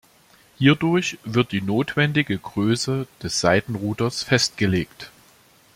Hierdurch wird die notwendige Größe des Seitenruders festgelegt.